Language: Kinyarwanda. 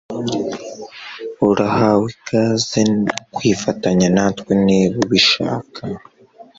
Urahawe ikaze kwifatanya natwe niba ubishaka